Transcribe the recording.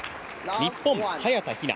日本、早田ひな。